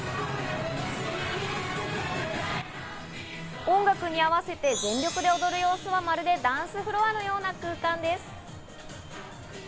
音楽に合わせて全力で踊る様子は、まるでダンスフロアのような空間です。